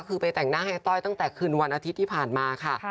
คือไปแต่งหน้าให้ต้อยตั้งแต่คืนวันอาทิตย์ที่ผ่านมาค่ะ